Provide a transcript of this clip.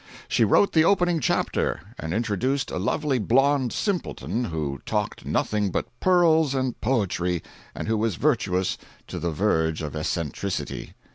She wrote the opening chapter, and introduced a lovely blonde simpleton who talked nothing but pearls and poetry and who was virtuous to the verge of eccentricity.